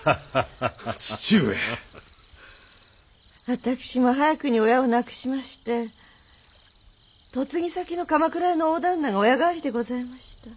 私も早くに親を亡くしまして嫁ぎ先の鎌倉屋の大旦那が親代わりでございました。